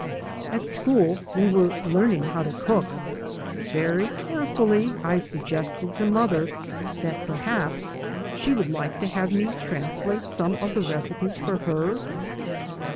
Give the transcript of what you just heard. At school we were learning how to cook. Very carefully I suggested to mother that per haps she would like to have me translate some of the recipes for her?